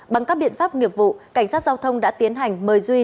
bằng các biện pháp nghiệp vụ cảnh sát giao thông đã tiến hành mời duy